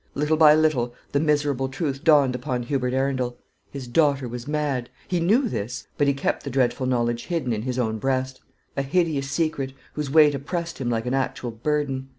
Little by little the miserable truth dawned upon Hubert Arundel. His daughter was mad! He knew this; but he kept the dreadful knowledge hidden in his own breast, a hideous secret, whose weight oppressed him like an actual burden.